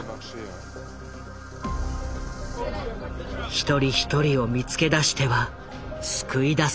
一人一人を見つけ出しては救い出す。